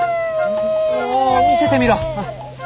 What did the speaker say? も見せてみろ